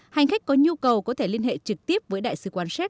hành khách có nhu cầu có thể liên hệ trực tiếp với đại sứ quán xét